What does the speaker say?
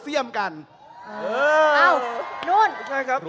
ถึงก็บอกว่าเราเสี่ยมกัน